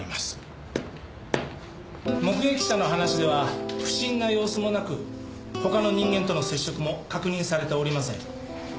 目撃者の話では不審な様子もなく他の人間との接触も確認されておりません。